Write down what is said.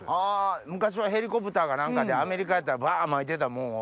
昔はヘリコプターか何かでアメリカやったらブワまいてたもんを。